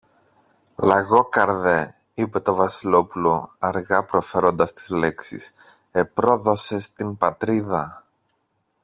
Λαγόκαρδε, είπε το Βασιλόπουλο, αργά προφέροντας τις λέξεις, επρόδωσες την Πατρίδα.